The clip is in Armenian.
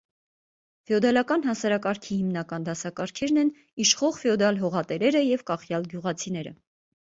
Ֆեոդալական հասարակարգի հիմնական դասակարգերն են՝ իշխող ֆեոդալ, հողատերերը և կախյալ գյուղացիները։